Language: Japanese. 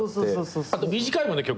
あと短いもんね曲。